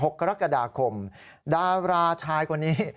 กรกฎาคมดาราชายคนนี้